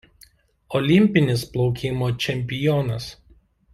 Olimpinis plaukimo čempionas.